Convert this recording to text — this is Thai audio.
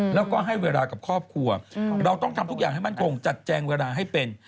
แล้วก็ให้เวลากับครอบครัวเราต้องทำทุกอย่างให้มั่นคงจัดแจงเวลาให้เป็น